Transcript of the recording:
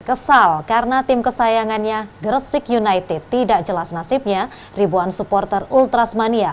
kesal karena tim kesayangannya gresik united tidak jelas nasibnya ribuan supporter ultrasmania